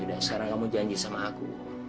sekarang kamu janji sama aku